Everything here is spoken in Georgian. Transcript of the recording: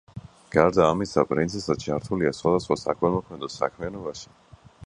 გარდა ამისა, პრინცესა ჩართულია სხვადასხვა საქველმოქმედო საქმიანობაში.